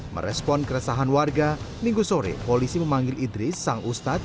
merespon keresahan warga minggu sore polisi memanggil idris sang ustadz